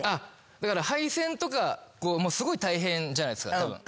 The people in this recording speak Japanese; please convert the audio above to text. だから配線とかすごい大変じゃないですか。